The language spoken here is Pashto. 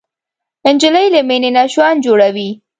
نجلۍ له مینې نه ژوند جوړوي.